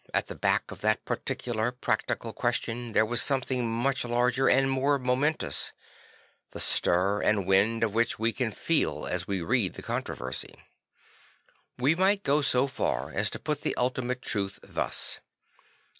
At the back of this particular practical question there was something much larger and more momentous, the stir and wind of which we can feel as we read the controversy. We might go so far as to put the ultimate truth thus.